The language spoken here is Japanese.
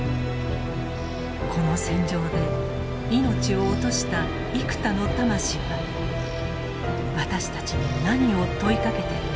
この戦場で命を落とした幾多の魂は私たちに何を問いかけているのだろうか。